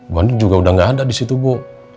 bu andin juga udah gak ada di situ bu